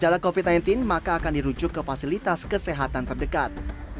jika menunjukkan gejala covid sembilan belas maka akan dirujuk ke fasilitas kesehatan terdekat